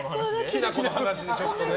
きな粉の話でちょっとね。